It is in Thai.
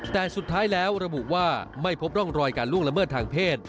แต่สุดท้ายแล้วระบุว่าไม่พบร่องรอยการล่วงละเมิดทางเพศ